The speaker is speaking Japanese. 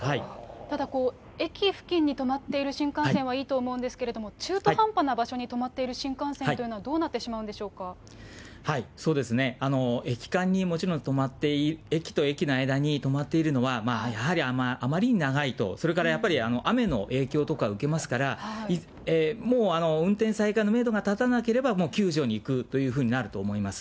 ただ、駅付近に止まっている新幹線はいいと思うんですけれども、中途半端な場所に止まっている新幹線というのは、駅間にもちろん、止まっている、駅と駅の間に止まっているのは、やはりあまりに長いとそれからやっぱり、雨の影響とか受けますから、もう運転再開のメドが立たなければ、もう救助に行くというふうになると思います。